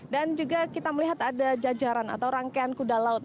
dan juga kita melihat ada jajaran atau rangkaian kuda laut